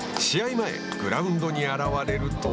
前グラウンドに現れると。